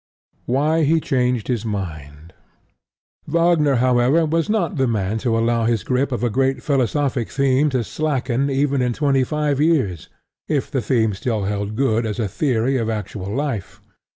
WHY HE CHANGED HIS MIND Wagner, however, was not the man to allow his grip of a great philosophic theme to slacken even in twenty five years if the theme still held good as a theory of actual life.